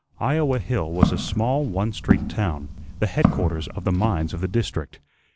Iowa Hill was a small one street town, the headquarters of the mines of the district.